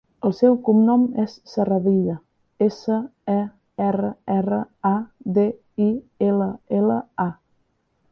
El seu cognom és Serradilla: essa, e, erra, erra, a, de, i, ela, ela, a.